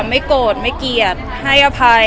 ไม่โกรธไม่เกลียดให้อภัย